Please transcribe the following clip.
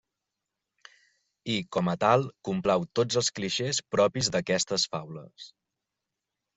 I, com a tal, complau tots els clixés propis d'aquestes faules.